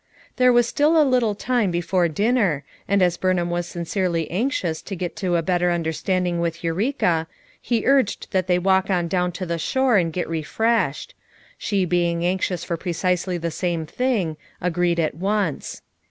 There was still a little time before dinner, and as Burnham was sincerely anxious to get to a better understanding with Eureka, he urged that they walk on down to the shore and get refreshed; she being anxious for precisely the same thing, agreed at once.